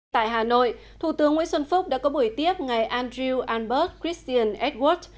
tại hà nội thủ tướng nguyễn xuân phúc đã có buổi tiết ngày andrew albert christian edward